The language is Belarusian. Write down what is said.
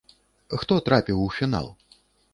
Хто трапіў у фінал?